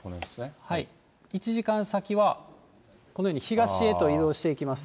１時間先は、このように東へと移動していきます。